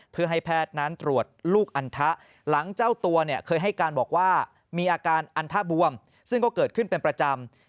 เพื่อให้แพทย์นั้นตรวจลูกอันทะหลังเจ้าตัวเนี่ยเคยให้การบอกว่ามีอาการอันทะบวมซึ่งก็เกิดขึ้นเป็นประจำ